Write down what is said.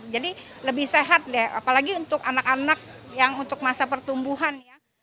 jadi lebih sehat ya apalagi untuk anak anak yang untuk masa pertumbuhan